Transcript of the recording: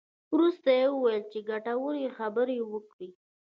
وروسته یې وویل چې ګټورې خبرې وکړې.